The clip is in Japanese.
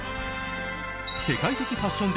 世界的ファッション